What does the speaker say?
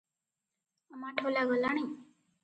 ଅମାଠୋଲା ଗଲାଣି?